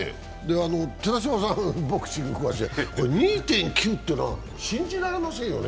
寺島さんボクシングに詳しいけど、これ２．９というのは信じられませんよね？